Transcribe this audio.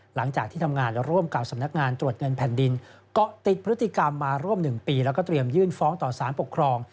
หลังจากที่ทำงานร่วมกับสำนักงานตรวจเงินแผ่นดินเกาะติดพฤติกรรมมาร่วม๑ปีแล้วก็เตรียมยื่นฟ้องต่อสารปกครอง